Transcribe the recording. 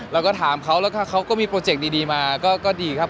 เราก็ถามเขาแล้วถ้าเขาก็มีโปรเจคดีมาก็ดีครับ